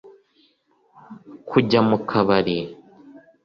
kujya mu kabari